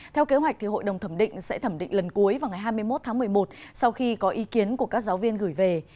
theo kế hoạch hội đồng thẩm định sẽ thẩm định lần cuối vào ngày hai mươi một tháng một mươi một sau khi có ý kiến của các giáo viên gửi về